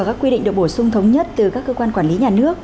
các quy định được bổ sung thống nhất từ các cơ quan quản lý nhà nước